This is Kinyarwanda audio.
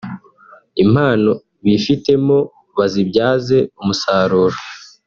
impano bifitemo bazibyaze umusaruro